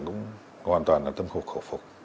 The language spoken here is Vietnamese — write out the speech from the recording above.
cũng hoàn toàn là tâm khổ khổ phục